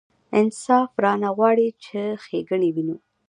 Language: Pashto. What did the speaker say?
انصاف رانه غواړي چې ښېګڼې وینو.